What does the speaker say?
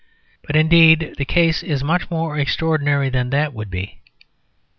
But, indeed, the case is much more extraordinary than that would be.